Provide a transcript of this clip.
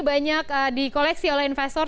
banyak di koleksi oleh investor